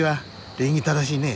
礼儀正しいね。